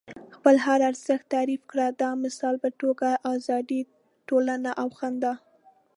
خپل هر ارزښت تعریف کړئ. د مثال په توګه ازادي، ټولنه او خندا.